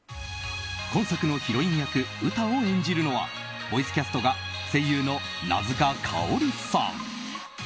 今作のヒロイン役ウタを演じるのはボイスキャストが声優の名塚佳織さん。